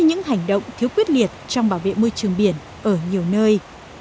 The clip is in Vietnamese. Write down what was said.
những hành động thiếu quyết liệt trong bảo vệ môi trường biển ở nhiều nơi